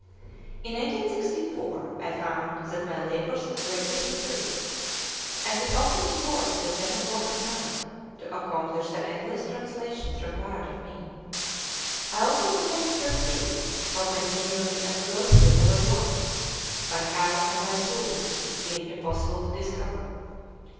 In 1864 I found that my labors had greatly increased; I had often to work till ten o'clock at night to accomplish the endless translations required of me. I also began to perceive how continually and closely I was watched, but how and by whom it seemed impossible to discover.